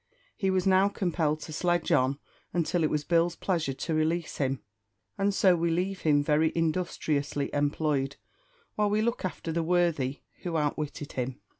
He was now compelled to sledge on until it was Bill's pleasure to release him; and so we leave him very industriously employed, while we look after the worthy who outwitted him.